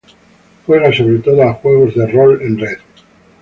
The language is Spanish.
Juega sobre todo a juegos de rol en red.